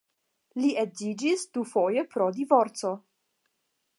Li edziĝis dufoje pro divorco.